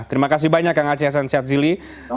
terima kasih banyak kak nga ceria san syadzili